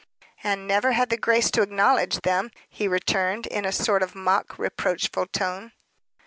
"And never had the grace to acknowledge them," he returned, in a sort of mock reproachful tone.